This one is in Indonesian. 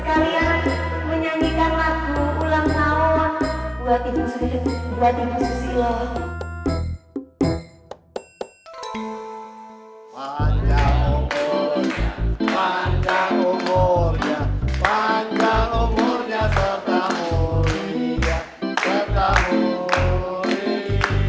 panjang umurnya panjang umurnya panjang umurnya serta mulia serta mulia serta mulia